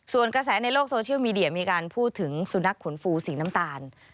ส่วนกระแสในโลกโซเชียลมีเดียมีการพูดถึงสุนัขขนฟูสีน้ำตาล